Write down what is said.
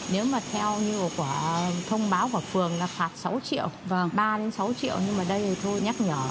nếu mà theo như của thông báo của phường là phạt sáu triệu và ba đến sáu triệu nhưng mà đây thì thôi nhắc nhở